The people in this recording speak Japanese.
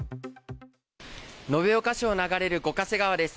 延岡市を流れる五ヶ瀬川です。